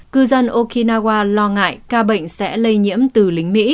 cư dân okinawa lo ngại ca bệnh sẽ lây nhiễm từ nguyên